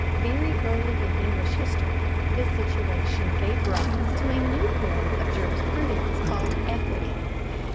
Very early in English history this situation gave rise to a new form of jurisprudence called equity.